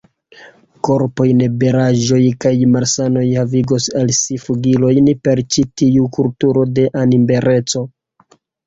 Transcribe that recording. Korpaj nebelaĵoj kaj malsanoj havigos al si flugilojn per ĉi tiu kulturo de animbeleco.